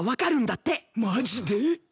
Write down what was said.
マジで？